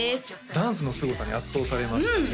ダンスのすごさに圧倒されましたね